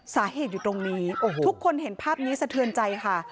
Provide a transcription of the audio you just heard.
สาเหตุอยู่ตรงนี้ทุกคนเห็นภาพนี้สะเทือนใจค่ะ